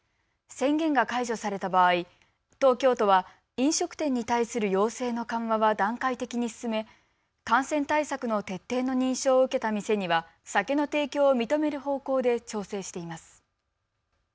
宣言が解除された場合、東京都は飲食店に対する要請の緩和は段階的に進め感染対策の徹底の認証を受けた店には酒の提供を認める方向で調整しています。